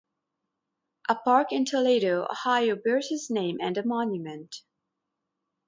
A park in Toledo, Ohio, bears his name and a monument.